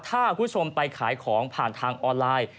ถ้าคุณผู้ชมไปขายของผ่านทางออนไลน์